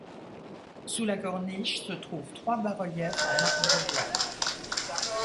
Sous la corniche, se trouvent trois bas-reliefs en marbre blanc.